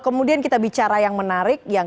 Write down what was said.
kemudian kita bicara yang menarik yang